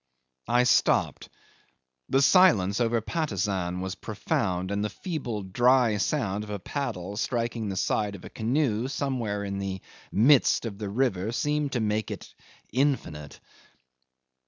'I stopped; the silence over Patusan was profound, and the feeble dry sound of a paddle striking the side of a canoe somewhere in the middle of the river seemed to make it infinite.